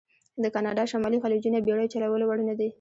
د کانادا شمالي خلیجونه بېړیو چلولو وړ نه دي.